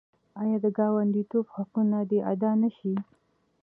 آیا د ګاونډیتوب حقونه دې ادا نشي؟